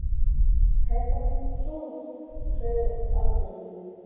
"Reckon so," she agreed.